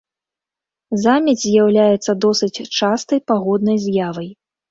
Замець з'яўляецца досыць частай пагоднай з'явай.